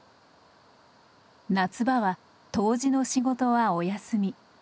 夏場は杜氏の仕事はお休み。